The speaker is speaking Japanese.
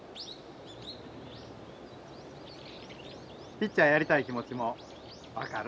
ピッチャーやりたい気持ちも分かる。